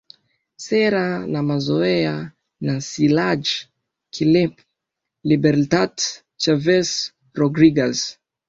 Sera na Mazoea na Silja Klepp Libertad Chavez Rodriguez